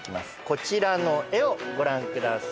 こちらの絵をご覧ください。